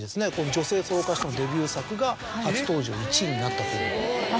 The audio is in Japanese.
女性ソロ歌手のデビュー作が初登場１位になったというのは。